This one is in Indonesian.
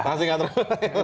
yang pasti nggak terbelah